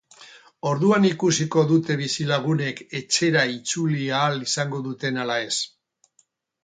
Orduan ikusiko dute bizilagunek etxera itzuli ahal izango duten ala ez.